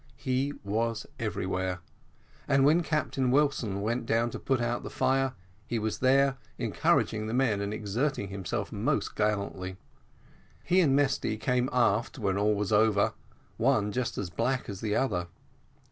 He was everywhere, and when Captain Wilson went down to put out the fire he was there, encouraging the men and exerting himself most gallantly. He and Mesty came aft when all was over, one just as black as the other.